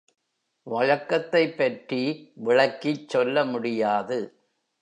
வழக்கத்தைப்பற்றி விளக்கிச் சொல்ல முடியாது.